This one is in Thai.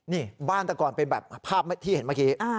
นี่บ้านแต่ก่อนเป็นแบบภาพที่เห็นเมื่อกี้